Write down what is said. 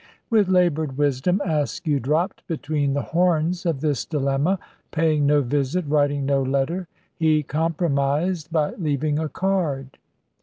With laboured wisdom Askew dropped between the horns of this dilemma. Paying no visit, writing no letter, he compromised by leaving a card.